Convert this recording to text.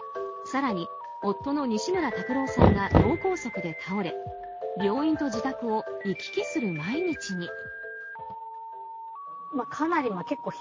更に、夫の西村拓郎さんが脳梗塞で倒れ病院と自宅を行き来する毎日に。